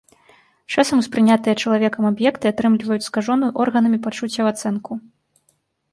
Часам успрынятыя чалавекам аб'екты атрымліваюць скажоную органамі пачуццяў ацэнку.